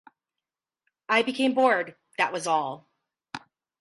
I became bored — that was all.